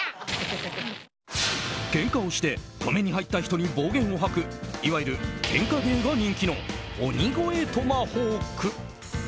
けんかをして止めに入った人に暴言を吐くいわゆる喧嘩芸が人気の鬼越トマホーク。